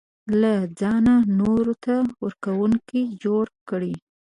له ځانه نورو ته ورکوونکی جوړ کړي.